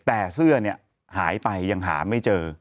แต่เสื้อเนี่ยหายไปยังหาไม่เจอ